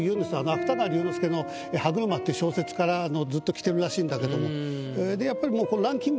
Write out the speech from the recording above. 芥川龍之介の「歯車」っていう小説からずっときてるらしいんだけども。